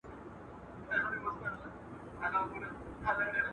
تاسي تل په مینه او محبت اوسیږئ.